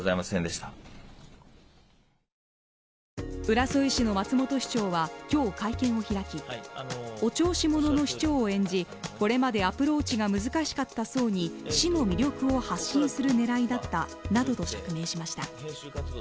浦添市の松本市長は今日、会見を開きお調子者の市長を演じこれまでアプローチが難しかった層に市の魅力を発信する狙いだったなどと釈明しました。